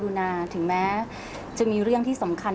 เพราะฉะนั้นไปได้รับจดหมายชอบแรกคือวันที่๒๔นะครับ